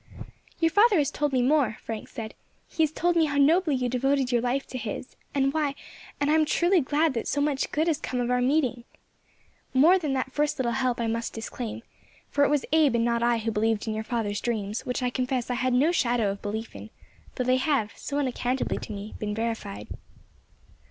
"Your father has told me more," Frank said; "he has told me how nobly you devoted your life to his, and why, and I am truly glad that so much good has come of our meeting. More than that first little help I must disclaim, for it was Abe and not I who believed in your father's dreams, which I confess I had no shadow of belief in, though they have, so unaccountably to me, been verified."